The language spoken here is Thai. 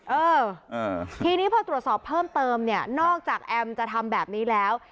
เออทีนี้พอตรวจสอบเพิ่มเติมเนี่ยนอกจากแอมจะทำแบบนี้แล้ว